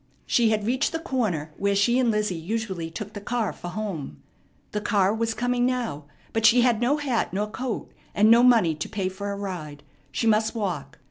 She had reached the corner where she and Lizzie usually took the car for home. The car was coming now; but she had no hat nor coat, and no money to pay for a ride. She must walk.